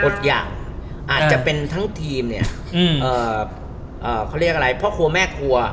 อย่างอาจจะเป็นทั้งทีมเนี่ยอืมเอ่อเขาเรียกอะไรพ่อครัวแม่ครัว